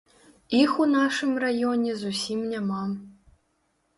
Іх у нашым раёне зусім няма.